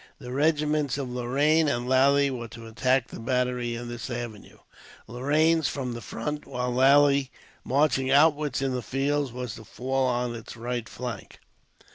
The regiments of Lorraine and Lally were to attack the battery in this avenue, Lorraine's from the front, while Lally's, marching outwards in the fields, was to fall on its right flank.